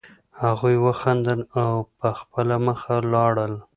هغوی وخندل او په خپله مخه لاړل